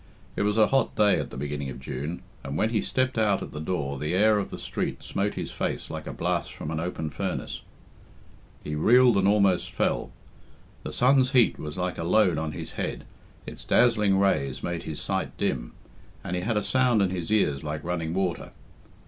It was a hot day at the beginning of June, and when he stepped out at the door the air of the street smote his face like a blast from an open furnace. He reeled and almost fell. The sun's heat was like a load on his head, its dazzling rays made his sight dim, and he had a sound in his ears like running water.